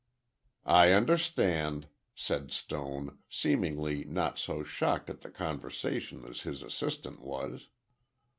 "I understand," said Stone, seemingly not so shocked at the conversation as his assistant was.